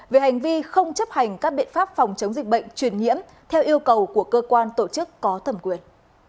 về hành vi không chấp hành các biện pháp phòng chống dịch bệnh truyền nhiễm theo yêu cầu của cơ quan tổ chức có thẩm quyền